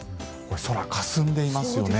空、かすんでいますよね。